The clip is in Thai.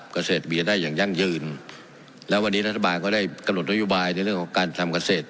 เกษตรเบียได้อย่างยั่งยืนแล้ววันนี้รัฐบาลก็ได้กำหนดนโยบายในเรื่องของการทำเกษตร